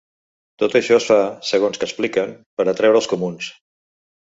Tot això es fa, segons que expliquen, per a atreure els comuns.